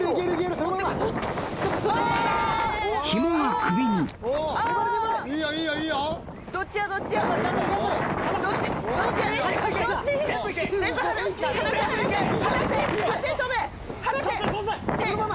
そのまま！